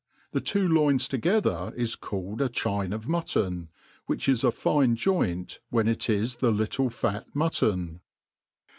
The two loins together is called a chine of mutton, which is a fine joint when it is the little fat muttpn.